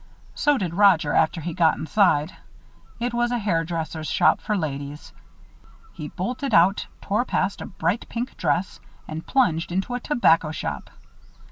So did Roger after he got inside. It was a hair dresser's shop for ladies. He bolted out, tore past a bright pink dress, and plunged into a tobacco shop.